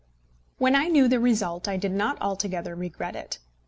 When I knew the result I did not altogether regret it.